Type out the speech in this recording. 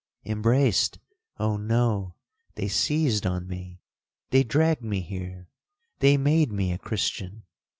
'—'Embraced!—Oh no! they seized on me—they dragged me here—they made me a Christian.